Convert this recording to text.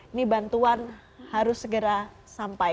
ini bantuan harus segera sampai